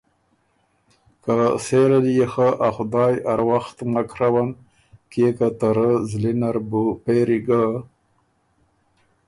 که سېره ليې خه ا خدای اروخت مک ڒؤن کيې که ته رۀ زلی نر بُو پېري ګۀ